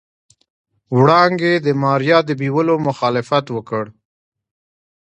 وړانګې د ماريا د بيولو مخالفت وکړ.